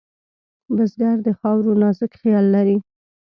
بزګر د خاورو نازک خیال لري